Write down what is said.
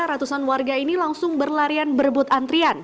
ratusan warga ini langsung berlarian berebut antrian